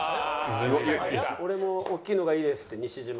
「俺もおっきいのがいいです」って西島。